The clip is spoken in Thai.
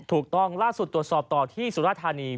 ถูกต้องล่าสุดตรวจสอบต่อที่สุราธานี